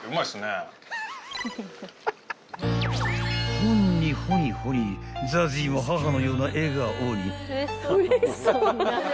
［ほんにほにほにＺＡＺＹも母のような笑顔に］